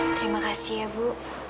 terima kasih ya bu